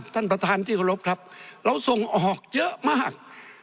ท่านประธานที่เคารพครับเราส่งออกเยอะมาก